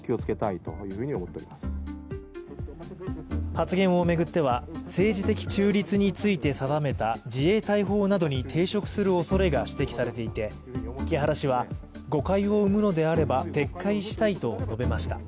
発言を巡っては政治的中立について定めた自衛隊法などに抵触するおそれが指摘されていて木原氏は誤解を生むのであれば撤回したと述べました。